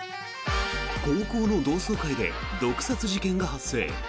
高校の同窓会で毒殺事件が発生。